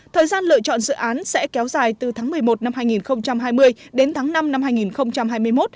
thời gian lựa chọn dự án sẽ kéo dài từ tháng một mươi một năm hai nghìn hai mươi đến tháng năm năm hai nghìn hai mươi một